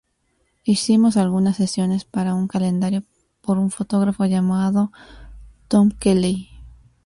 Hicimos algunas sesiones para un calendario por un fotógrafo llamado Tom Kelley.